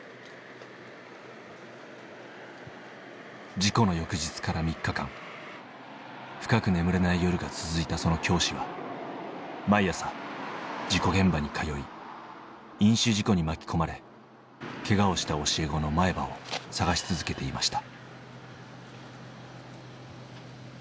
事故の翌日から３日間深く眠れない夜が続いたその教師は毎朝事故現場に通い飲酒事故に巻き込まれケガをした教え子の前歯を捜し続けていました。